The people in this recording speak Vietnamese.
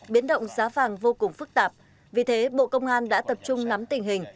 biến động giá vàng vô cùng phức tạp vì thế bộ công an đã tập trung nắm tình hình